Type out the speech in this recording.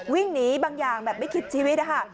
วิ่งหนีบางอย่างแบบไม่คิดชีวิตนะคะ